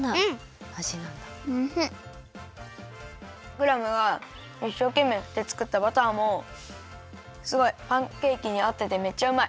クラムがいっしょうけんめいふってつくったバターもすごいパンケーキにあっててめっちゃうまい。